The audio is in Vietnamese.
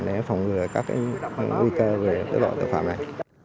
để phòng ngừa các nguy cơ về loại tội phạm này